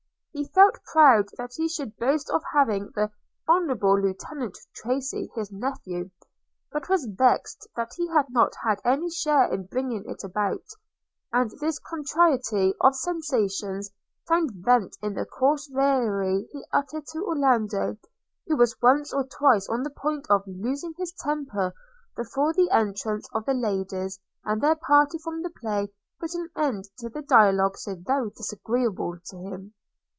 He felt proud that he should boast of having the Honourable Lieutenant General Tracy his nephew, but was vexed that he had not had any share in bringing it about; and this contrariety of sensations found vent in the coarse raillery he uttered to Orlando, who was once or twice on the point of losing his temper, before the entrance of the ladies and their party from the play put an end to a dialogue so very disagreeable to him.